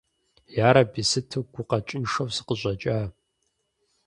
Ярэби, сыту гукъэкӀыншэу сыкъыщӀэкӀа.